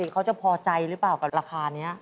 เขาจะพอใจหรือเปล่ากับราคานี้